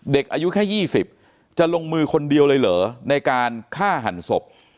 เด็กอายุแค่๒๐จะลงมือคนเดียวเลยเหรอในการฆ่าหันศพ